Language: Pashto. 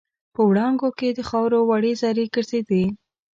په وړانګو کې د خاوور وړې زرې ګرځېدې.